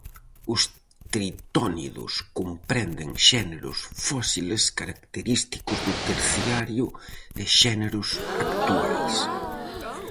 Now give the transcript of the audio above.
Os tritónidos comprenden xéneros fósiles característicos do terciario e xéneros actuais.